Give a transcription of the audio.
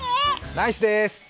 ナイスでーす！